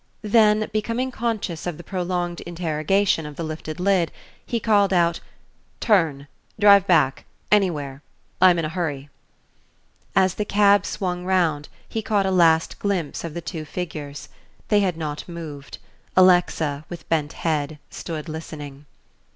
Then, becoming conscious of the prolonged interrogation of the lifted lid, he called out "Turn drive back anywhere I'm in a hurry " As the cab swung round he caught a last glimpse of the two figures. They had not moved; Alexa, with bent head, stood listening.